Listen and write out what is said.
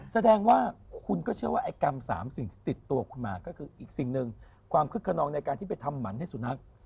สดังว่าคุณก็เชื่อว่ากลำ๓สิ่งที่รู้สึกอยู่ด้านนี้คือความคึกขนองได้ในการทำหวานให้สุนัข